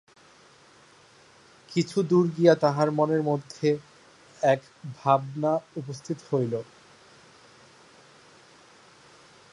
কিছু দূর গিয়া তাহার মনের মধ্যে এক ভাবনা উপস্থিত হইল।